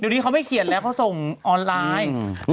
ดีเค้าไม่เขียนแล้วเค้าส่งออนไลน์